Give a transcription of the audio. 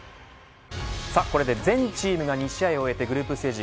さあこれで全チームが２試合を終えてグループステージ